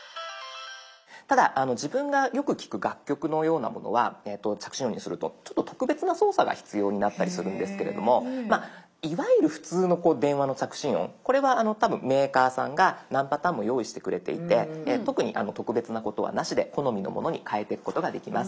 ただ自分がよく聞く楽曲のようなものは着信音にするとちょっと特別な操作が必要になったりするんですけれどもいわゆる普通の電話の着信音これは多分メーカーさんが何パターンも用意してくれていて特に特別なことはなしで好みのものに変えていくことができます。